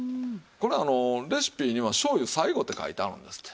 これレシピには醤油最後って書いてあるんですって。